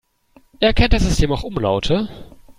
Erkennt das System auch Umlaute?